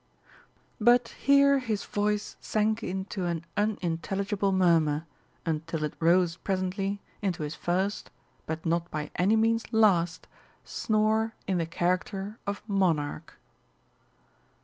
But here his voice sank into an unintelligible murmur, until it rose presently into his first, but not by any means last, snore in the character of monarch.